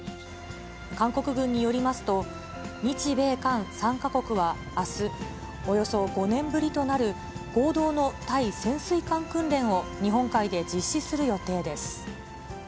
韓国軍によりますと、日米韓３か国はあす、およそ５年ぶりとなる合同の対潜水艦訓練を日本海で実施する予定